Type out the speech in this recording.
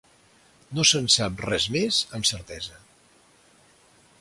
No se'n sap res més amb certesa.